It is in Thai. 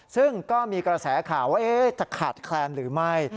ซึ่งก็มีกระแสข่าวว่าจะขาดแคลนหรือไม่